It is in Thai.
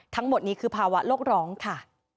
ทั้งหมดนี้คือภาวะโลกร้องค่ะ